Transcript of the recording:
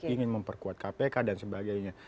ingin memperkuat kpk dan sebagainya